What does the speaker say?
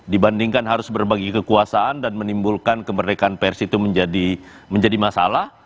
dibandingkan harus berbagi kekuasaan dan menimbulkan kemerdekaan pers itu menjadi masalah